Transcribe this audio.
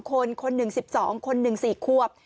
คนคน๑๑๒คน๑๔ควบ